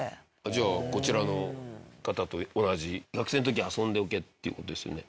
じゃあこちらの方と同じ学生の時遊んでおけっていう事ですよね？